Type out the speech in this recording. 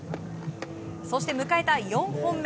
そして迎えた４本目。